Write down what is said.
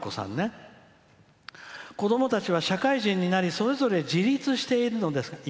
「子どもたちは社会人になりそれぞれ自立しているのです」。